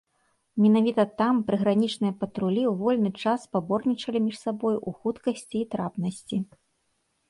Менавіта там прыгранічныя патрулі ў вольны час спаборнічалі між сабою ў хуткасці і трапнасці.